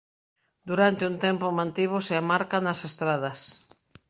Durante un tempo mantívose a marca nas estradas.